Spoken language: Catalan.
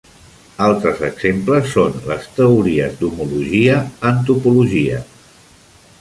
Altres exemples són les teories d'homologia en topologia.